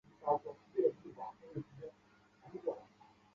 锦州主城区位于小凌河和女儿河的交汇处。